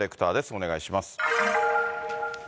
お願いします。